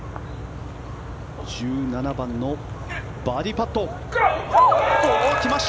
１７番のバーディーパット。